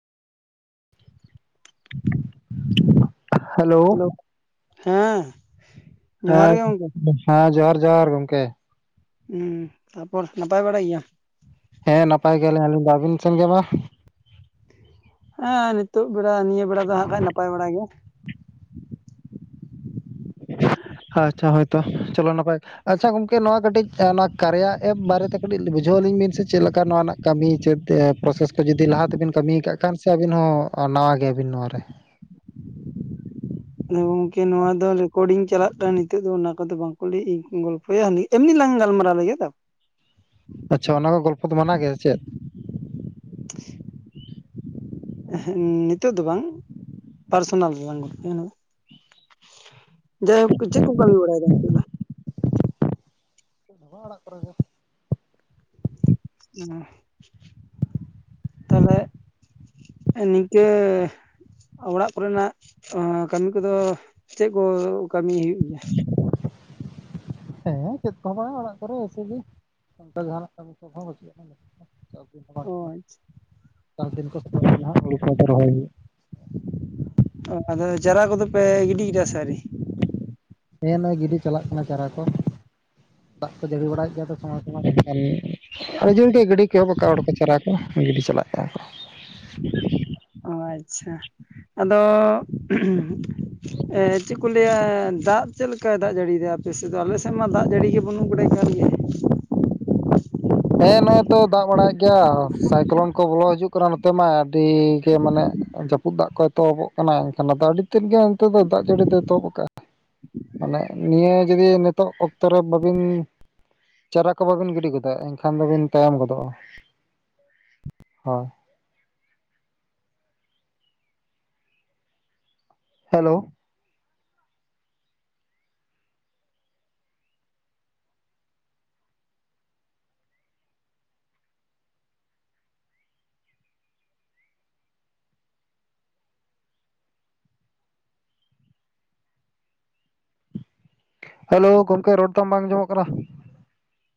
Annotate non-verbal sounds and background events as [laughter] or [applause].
[unintelligible] Hello ᱦᱮᱸ ᱡᱚᱦᱟᱨ ᱦᱮᱸ, ᱜᱮ ᱜᱚᱝᱠᱮ ᱦᱮᱸ ᱡᱚᱦᱟᱨ ᱡᱚᱦᱟᱨ ᱜᱚᱝᱠᱮ, ᱦᱮᱸ ᱛᱟᱯᱚᱨ ᱱᱟᱯᱟᱭ ᱵᱟᱲᱟᱭ ᱜᱮᱭᱟ? ᱦᱮᱸ ᱱᱟᱯᱟᱭ ᱜᱮᱭᱟᱞᱤᱧ ᱟᱹᱞᱤᱧ᱾ ᱫᱚ ᱟᱹᱵᱤᱱ ᱥᱮᱱ ᱜᱮ ᱵᱟᱝ? ᱦᱮᱸ ᱱᱤᱛᱳᱜ ᱵᱮᱲᱟ ᱱᱤᱭᱟᱹ ᱵᱮᱲᱟ ᱫᱚ ᱦᱟᱸᱜ ᱠᱷᱟᱱᱡ ᱱᱟᱯᱟᱭ ᱵᱟᱲᱟ ᱜᱮᱭᱟ᱾ ᱟᱪᱪᱷᱟ ᱦᱳᱭᱛᱚ ᱪᱚᱞᱚ ᱱᱟᱯᱟᱭ᱾ ᱟᱪᱪᱷᱟ ᱜᱚᱝᱠᱮ ᱱᱚᱣᱟ ᱠᱟᱹᱴᱤᱡ ᱚᱱᱟ ᱠᱟᱨᱭᱟ ᱮᱯ ᱵᱟᱨᱮᱛᱮ ᱠᱟᱹᱴᱤᱡ ᱵᱩᱡᱷᱟᱹᱣ ᱟᱹᱞᱤᱧ ᱵᱤᱱ ᱥᱮ ᱪᱮᱫ ᱞᱮᱠᱟ ᱱᱚᱣᱟ ᱨᱮᱱᱟᱜ? ᱠᱟᱹᱢᱤ ᱪᱮᱫ ᱯᱨᱚᱥᱮᱥ ᱠᱚ ᱡᱩᱫᱤ ᱞᱟᱦᱟ ᱛᱮᱵᱤᱱ ᱠᱟᱹᱢᱤ ᱟᱠᱟᱫ ᱠᱷᱟᱱ ᱥᱮ ᱟᱹᱵᱤᱱ ᱦᱚᱸ ᱱᱟᱣᱟ ᱜᱮᱭᱟᱵᱤᱱ ᱱᱚᱣ ᱨᱮ? ᱟ ᱜᱚᱝᱠᱮ ᱱᱚᱣᱟ ᱫᱚ ᱨᱮᱠᱚᱨᱰᱤᱝ ᱪᱟᱞᱟᱜ ᱠᱟᱱᱟ ᱱᱤᱛᱚᱜ ᱫᱚ ᱚᱱᱟ ᱠᱚᱫᱚ ᱵᱟᱝᱠᱚ ᱞᱟᱹᱭ ᱜᱚᱞᱯᱚᱭᱟ᱾ ᱦᱟᱹᱱ ᱮᱢᱱᱤ ᱞᱟᱝ ᱜᱟᱞᱢᱟᱨᱟᱣ ᱞᱮᱜᱮ ᱛᱟ ᱟᱪᱪᱷᱟ ᱚᱱᱟ ᱠᱚ ᱜᱚᱞᱯᱚ ᱫᱚ ᱢᱟᱱᱟ ᱜᱮᱭᱟ ᱥᱮ ᱪᱮᱫ? [unintelligible] ᱱᱤᱛᱳᱜ ᱫᱚ ᱵᱟᱝ, ᱯᱟᱨᱥᱚᱱᱟᱞ ᱞᱟᱝ ᱜᱚᱞᱯᱚᱭᱟ ᱚᱱᱟ ᱫᱚ᱾ ᱡᱟᱭ ᱦᱳᱠ ᱪᱮᱫ ᱠᱚ ᱠᱟᱹᱢᱤ ᱵᱟᱲᱟᱭ ᱮᱫᱟᱢ ᱱᱤᱛᱚᱜ ᱫᱚ? ᱤᱧ ᱢᱟ ᱚᱲᱟᱜ ᱠᱚᱨᱮᱜᱮ᱾ ᱦᱮᱸ ᱛᱟᱦᱞᱮ ᱱᱤᱝᱠᱟᱹ ᱚᱲᱟᱜ ᱠᱚᱨᱮᱱᱟᱜ ᱠᱟᱹᱢᱤ ᱠᱚᱫᱚ ᱪᱮᱫ ᱠᱚ ᱠᱟᱹᱢᱤ ᱦᱩᱭᱩᱜ ᱜᱮᱭᱟ? [unintelligible] ᱦᱮᱸ ᱪᱮᱫ ᱠᱚᱦᱚᱸ ᱵᱟᱝᱟ, ᱚᱲᱟᱜ ᱠᱚᱨᱮ ᱮᱥᱮ ᱚᱱᱠᱟ ᱡᱟᱦᱟᱱᱟᱜ ᱠᱟᱹᱢᱤ ᱠᱚᱦᱚᱸ ᱵᱟᱹᱪᱩᱜ ᱟᱱᱟ ᱱᱤᱛᱚᱜ ᱚ ᱫᱚ᱾ ᱟᱪᱪᱷᱟ ᱪᱟᱥ ᱫᱤᱱ ᱠᱚᱦᱚ ᱥᱮᱴᱮᱨ ᱮᱱᱟ ᱦᱟᱜ ᱦᱩᱲᱩ ᱠᱚ ᱟᱫᱚ ᱨᱚᱦᱚᱭ ᱦᱩᱭᱩᱜ-ᱟ ᱚ ᱟᱫᱚ ᱪᱟᱨᱟ ᱠᱚᱫᱚ ᱯᱮ ᱜᱤᱰᱤ ᱠᱮᱫᱟ ᱟᱣᱨᱤ ᱦᱮᱸ ᱱᱚᱜᱼᱚᱭ ᱜᱤᱰᱤ ᱪᱟᱞᱟᱜ ᱠᱟᱱᱟ ᱪᱟᱨᱟ ᱠᱚ ᱫᱟᱜ ᱠᱚ ᱡᱟᱹᱲᱤ ᱵᱟᱲᱟᱭᱮᱫ ᱜᱮᱭᱟᱭ ᱛᱚ ᱥᱚᱢᱚᱭ ᱥᱚᱢᱚᱭ [unintelligible] ᱵᱟᱠᱷᱟᱡ ᱦᱚᱲ ᱠᱚ [unintelligible] ᱜᱟᱹᱰᱤ ᱪᱟᱞᱟᱜ ᱠᱟᱱᱟ ᱠᱚ ᱚ ᱟᱪᱪᱷᱟ ᱟᱫᱚ ᱪᱮᱫ ᱠᱚ ᱞᱟᱹᱭᱟ ᱫᱟᱜ ᱪᱮᱫ ᱞᱮᱠᱟᱭ ᱫᱟᱜ ᱡᱟᱹᱲᱤᱭᱮᱫᱟ ᱟᱯᱮᱥᱮᱫ ᱫᱚ ᱟᱞᱮᱥᱮᱫ ᱢᱟ ᱫᱟᱜ ᱡᱟᱹᱲᱤ ᱜᱮ ᱵᱟᱹᱱᱩᱜ ᱟᱠᱟᱫᱟ ᱮᱠᱟᱞ ᱜᱮ ᱦᱮᱸ ᱱᱚᱜᱼᱚᱭ ᱛᱚ ᱫᱟᱜ ᱵᱟᱲᱟᱭᱮᱫ ᱜᱮᱭᱟ ᱥᱟᱭᱠᱞᱚᱱ ᱠᱚ ᱵᱚᱞᱚ ᱦᱤᱡᱩᱜ ᱠᱟᱱᱟ ᱱᱚᱛᱮ ᱢᱟ ᱟᱹᱰᱤ ᱜᱮ ᱢᱟᱱᱮ ᱡᱟᱹᱯᱩᱫ ᱫᱟᱜ ᱠᱚ ᱮᱛᱚᱦᱚᱵᱚᱜ ᱠᱟᱱᱟ ᱮᱱᱠᱷᱟᱱ ᱟᱫᱚ ᱟᱹᱰᱤ ᱛᱮᱫ ᱜᱮ ᱚᱱᱛᱮ ᱫᱚ ᱫᱟᱜ ᱡᱟᱹᱲᱤ ᱫᱚ ᱮᱛᱚᱦᱚᱵ ᱟᱠᱟᱜᱼᱟ ᱢᱟᱱᱮ ᱱᱤᱭᱟᱹ ᱡᱩᱫᱤ ᱱᱤᱛᱚᱜ ᱚᱠᱛᱚ ᱨᱮ ᱵᱟᱹᱵᱤᱱ ᱪᱟᱨᱟ ᱠᱚ ᱵᱟᱵᱤᱱ ᱜᱤᱰᱤ ᱜᱚᱫᱟ ᱮᱱᱠᱷᱟᱱ ᱫᱚᱵᱤᱱ ᱛᱟᱭᱚᱢ ᱜᱚᱫᱚᱜᱼᱟ ᱦᱳᱭ ᱦᱮᱞᱳ ᱦᱮᱞᱳ ᱜᱚᱢᱠᱮ ᱨᱚᱲ ᱛᱟᱢ ᱵᱟᱝ ᱟᱸᱡᱚᱢᱚᱜ ᱠᱟᱱᱟ